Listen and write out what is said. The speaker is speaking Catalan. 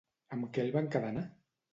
Amb què el va encadenar?